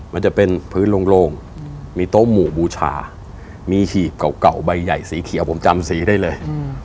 มันจะเป็นพื้นโล่งมีโต๊ะหมู่บูชามีหีบเก่าใบใหญ่สีเขียวผมจำสีได้เลย